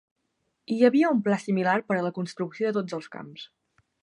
Hi havia un pla similar per a la construcció de tots els camps.